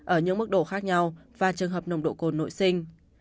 ở những mức độ khác nhau và trường hợp nồng độ cồn nội sinh